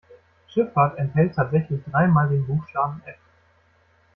Schifffahrt enthält tatsächlich dreimal den Buchstaben F.